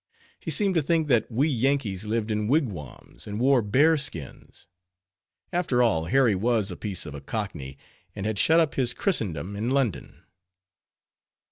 He seemed to think that we Yankees lived in wigwams, and wore bear skins. After all, Harry was a spice of a Cockney, and had shut up his Christendom in London.